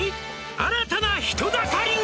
「新たな人だかりが！」